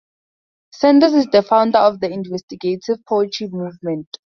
Sanders is the founder of the Investigative Poetry movement.